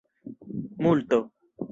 multo